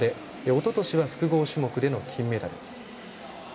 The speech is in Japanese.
おととしは複合種目での金メダル。